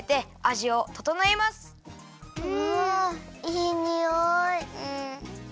うわいいにおい！